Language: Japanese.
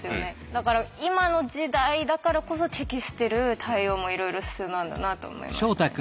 だから今の時代だからこそ適してる対応もいろいろ必要なんだなと思いましたね。